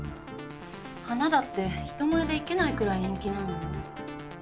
花だって人前で生けないくらい陰気なのよ。